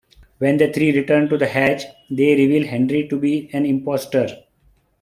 When the three return to the Hatch, they reveal Henry to be an impostor.